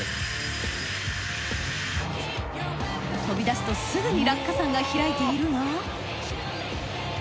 飛び出すとすぐに落下傘が開いているが。